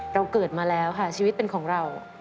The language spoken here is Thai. เกิดมาแล้วค่ะชีวิตเป็นของเรา